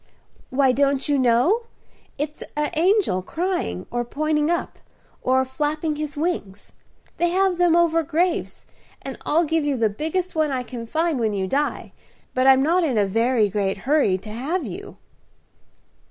"Why, don't you know? It's a angel crying, or pointing up, or flapping his wings. They have them over graves; and I'll give you the biggest one I can find when you die. But I'm not in a very great hurry to have you."